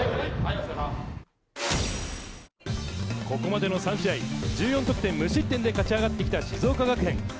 ここまでの３試合、１４得点無失点で勝ち上がってきた静岡学園。